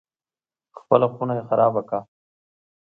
خپله خونه یې خرابه کړه.